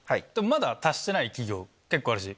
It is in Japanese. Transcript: まだ達してない企業結構あるし。